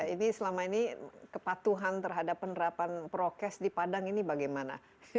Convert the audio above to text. ini selama ini kepatuhan terhadap penerapan prokes di padang ini bagaimana